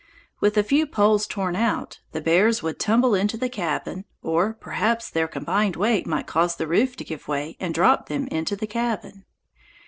With a few poles torn out, the bears would tumble into the cabin, or perhaps their combined weight might cause the roof to give way and drop them into the cabin.